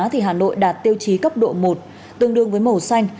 thì hà nội đạt tiêu chí cấp độ một tương đương với màu xanh